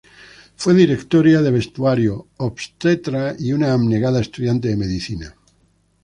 Fue directora de vestuario, obstetra y una abnegada estudiante de medicina.